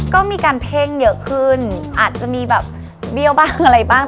ก็มีการเพ่งเยอะขึ้นอาจจะมีแบบเบี้ยวบ้างอะไรบ้าง